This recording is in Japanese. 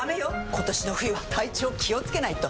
今年の冬は体調気をつけないと！